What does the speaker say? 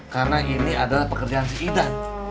karena ini adalah pekerjaan si idan